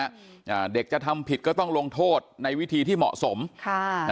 อ่าเด็กจะทำผิดก็ต้องลงโทษในวิธีที่เหมาะสมค่ะอ่า